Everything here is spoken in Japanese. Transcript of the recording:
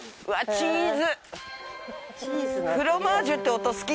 チーズ。